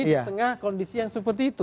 di tengah kondisi yang seperti itu